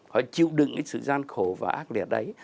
phải chịu đựng cái sự gian khổ và ác liệt đấy